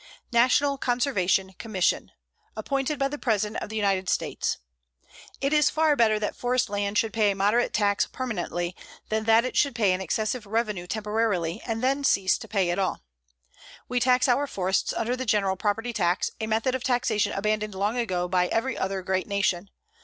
NATIONAL CONSERVATION COMMISSION, appointed by the President of the United States: It is far better that forest land should pay a moderate tax permanently than that it should pay an excessive revenue temporarily and then cease to pay at all. We tax our forests under the general property tax, a method of taxation abandoned long ago by every other great nation.